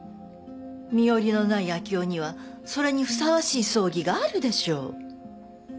身寄りのない明生にはそれにふさわしい葬儀があるでしょ。